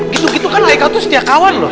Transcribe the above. gitu gitu kan ike itu setiap kawan loh